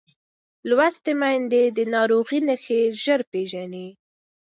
لوستې میندې د ناروغۍ نښې ژر پېژني.